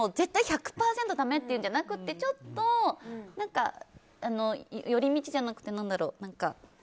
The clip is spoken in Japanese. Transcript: ダメっていうんじゃなくてちょっと寄り道じゃなくて何だろう。